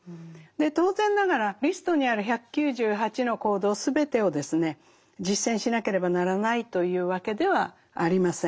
当然ながらリストにある１９８の行動全てをですね実践しなければならないというわけではありません。